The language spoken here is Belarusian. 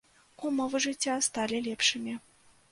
Умовы жыцця сталі лепшымі.